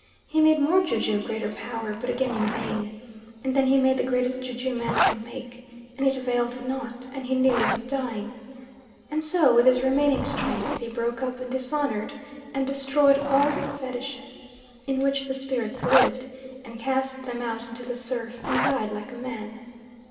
He made more ju ju of greater power, but again in vain, and then he made the greatest ju ju man can make, and it availed nought, and he knew he was dying; and so, with his remaining strength, he broke up and dishonoured and destroyed all the Fetishes in which the spirits lived, and cast them out into the surf and died like a man.